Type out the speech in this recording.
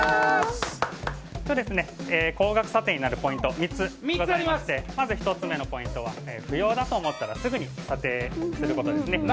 高額査定になるポイントは３つございましてまず１つ目のポイントは不要だと思ったらすぐに査定することです。